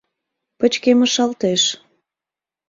Пычкемышалтеш.